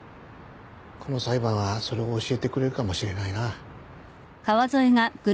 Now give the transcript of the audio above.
この裁判はそれを教えてくれるかもしれないな。